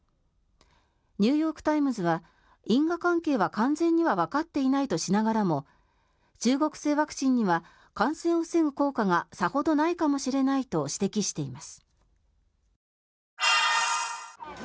ニューヨーク・タイムズは因果関係は完全にはわかっていないとしながらも中国製ワクチンには感染を防ぐ効果がさほどないかもしれないと指摘しています。